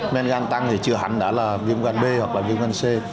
men gan tăng thì chưa hắn đã là viêm gan b hoặc là viêm gan c